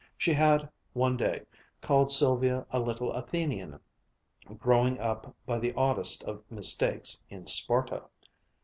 She had, one day, called Sylvia a little Athenian, growing up, by the oddest of mistakes, in Sparta.